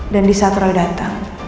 dan di saat roy datang